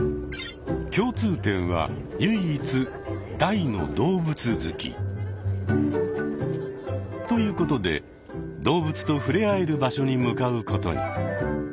共通点は唯一「大の動物好き」。ということで動物とふれあえる場所に向かうことに。